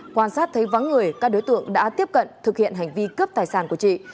quan sát thấy vắng người các đối tượng đã tiếp cận thực hiện hành vi cướp tài sản của chị